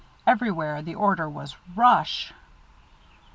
Everywhere the order was, "Rush!"